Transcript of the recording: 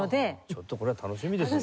ちょっとこれは楽しみですね。